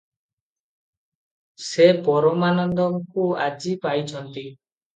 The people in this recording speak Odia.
ସେ ପରମାନନ୍ଦଙ୍କୁ ଆଜି ପାଇଚନ୍ତି ।